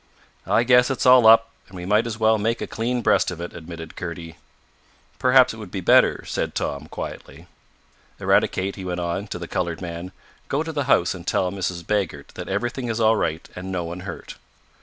"I guess it's all up, and we might as well make a clean breast of it," admitted Kurdy. "Perhaps it would be better," said Tom quietly. "Eradicate," he went on, to the colored man, "go to the house and tell Mrs. Baggert that everything is all right and no one hurt."